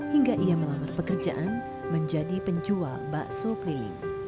hingga ia melamar pekerjaan menjadi penjual bakso keliling